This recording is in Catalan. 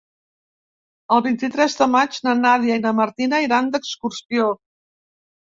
El vint-i-tres de maig na Nàdia i na Martina iran d'excursió.